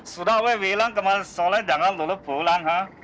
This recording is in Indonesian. sudah saya bilang kemarin sore jangan dulu pulang ya